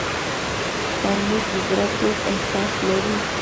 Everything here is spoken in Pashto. ترموز د زړه تود احساس لري.